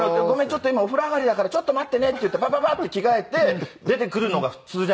ちょっと今お風呂上がりだからちょっと待ってねって言ってバババッて着替えて出てくるのが普通じゃないですか。